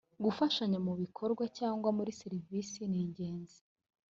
gufasha mu bikorwa cyangwa muri serivisi ningenzi